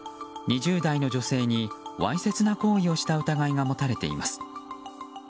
２０代の女性にわいせつな行為をした疑いが持たれています。